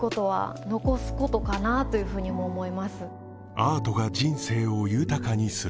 アートが人生を豊かにする